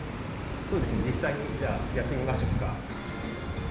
そうですね実際にじゃあやってみましょうか。